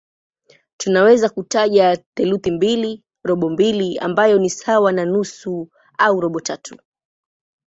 Tunaweza kutaja theluthi mbili, robo mbili ambayo ni sawa na nusu au robo tatu.